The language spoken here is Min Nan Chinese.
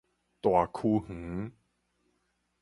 大坵園